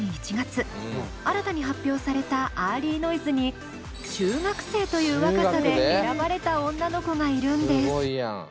新たに発表された「ＥａｒｌｙＮｏｉｓｅ」に中学生という若さで選ばれた女の子がいるんです！